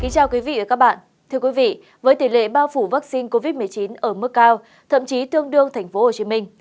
chào các bạn với tỷ lệ bao phủ vaccine covid một mươi chín ở mức cao thậm chí tương đương thành phố hồ chí minh